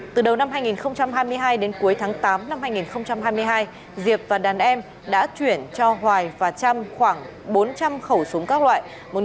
từ đầu năm hai nghìn hai mươi hai đến cuối tháng tám năm hai nghìn hai mươi hai diệp và đàn em đã chuyển cho hoài và trâm khoảng bốn trăm linh khẩu súng các loại